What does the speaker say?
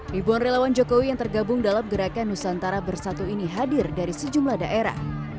ribuan relawan jokowi yang tergabung dalam gerakan nusantara bersatu ini hadir dari sejumlah daerah